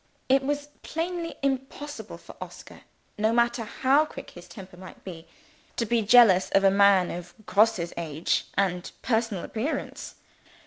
It was plainly impossible for Oscar (no matter how quick his temper might be) to feel jealous of a man of Grosse's age and personal appearance.